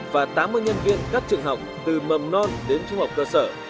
và tám mươi nhân viên các trường học từ mầm non đến trung học cơ sở